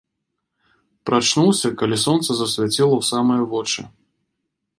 Прачнуўся, калі сонца засвяціла ў самыя вочы.